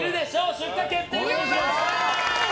出荷決定でございます！